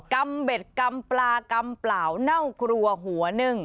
ำเบ็ดกำปลากำเปล่าเน่ากลัวหัวนึ่ง